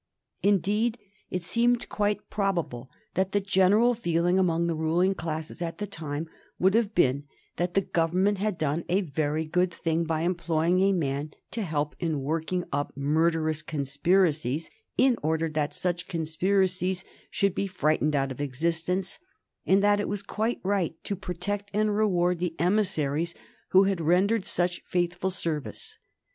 Indeed, it seemed quite probable that the general feeling among the ruling classes at the time would have been that the Government had done a very good thing by employing a man to help in working up murderous conspiracies in order that such conspiracies should be frightened out of existence, and that it was quite right to protect and reward the emissaries who had rendered such faithful service.